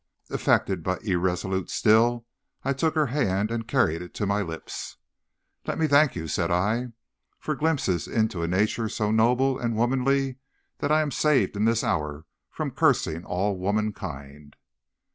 "Affected, but irresolute still, I took her hand and carried it to my lips. "'Let me thank you,' said I, 'for glimpses into a nature so noble and womanly that I am saved in this hour from cursing all womankind.'